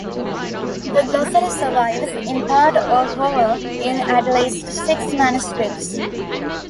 The glossary survives, in part or whole, in at least six manuscripts.